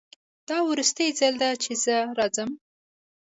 دا وروستی ځل ده چې زه راځم